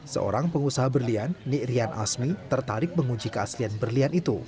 seorang pengusaha berlian nikrian asmi tertarik menguncikan